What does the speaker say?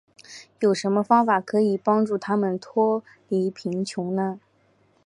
有什么方法可以帮助他们脱离贫穷呢。